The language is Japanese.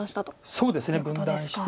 そうですね分断して。